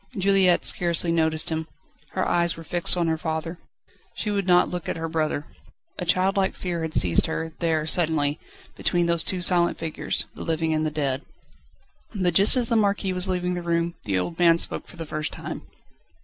Juliette scarcely noticed him. Her eyes were fixed on her father. She would not look at her brother. A childlike fear had seized her, there, suddenly, between these two silent figures: the living and the dead. But just as the Marquis was leaving the room, the old man spoke for the first time.